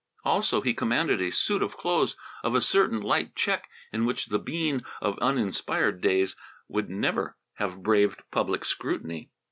Also he commanded a suit of clothes of a certain light check in which the Bean of uninspired days would never have braved public scrutiny.